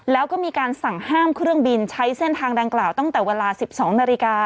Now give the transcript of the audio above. แล้วก็มีการสั่งห้ามเครื่องบินใช้เส้นทางดังกล่าวตั้งแต่เวลา๑๒นาฬิกา